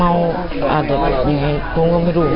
อ๋อเมาอาจาเป็นอย่างนี้พูดก็ไม่รู้เลย